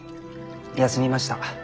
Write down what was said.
休みました。